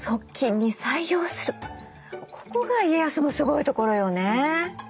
ここが家康のすごいところよね。